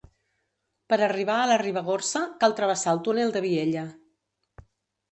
Per arribar a la Ribagorça cal travessar el túnel de Vielha.